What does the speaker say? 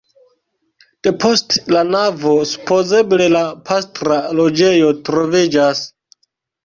Depost la navo supozeble la pastra loĝejo troviĝas.